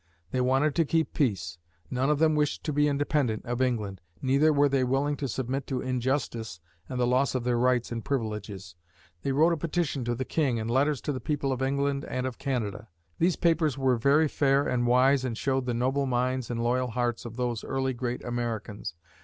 They wanted to keep peace. None of them wished to be independent of England. Neither were they willing to submit to injustice and the loss of their rights and privileges. They wrote a petition to the King and letters to the people of England and of Canada. These papers were very fair and wise and showed the noble minds and loyal hearts of these early great Americans.